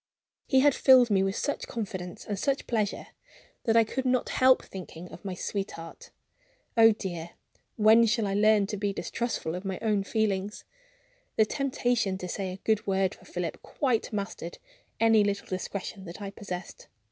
He had filled me with such confidence and such pleasure that I could not help thinking of my sweetheart. Oh dear, when shall I learn to be distrustful of my own feelings? The temptation to say a good word for Philip quite mastered any little discretion that I possessed.